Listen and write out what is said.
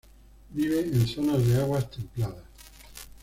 Vive en zonas de aguas templadas.